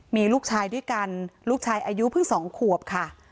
มีลูกชายด้วยกันลูกชายอายุเพิ่ง๒ขวบค่ะ